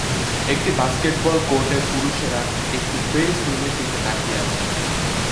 একটি বাস্কেটবল কোর্টে পুরুষেরা একটি ফেরিস হুইলের দিকে তাকিয়ে আছে।